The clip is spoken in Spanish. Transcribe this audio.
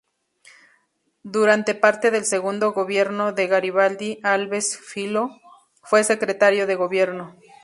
Durante parte del segundo gobierno de Garibaldi Alves Filho, fue Secretario de Gobierno.